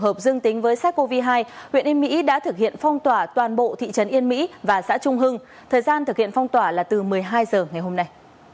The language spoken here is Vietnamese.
huyện yên mỹ đã thực hiện phong tỏa toàn bộ thị trấn yên mỹ và xã trung hưng thời gian thực hiện phong tỏa là từ một mươi hai h ngày hôm nay